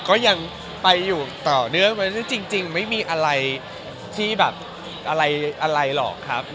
ก็ยังไปอยู่ต่อเนื่องไหมจริงไม่มีอะไรที่แบบอะไรหรอกครับ